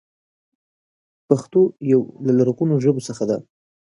پښتو يو له لرغونو ژبو څخه ده.